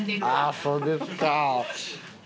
そうですか。